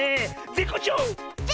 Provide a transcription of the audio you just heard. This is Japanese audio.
ぜっこうちょう！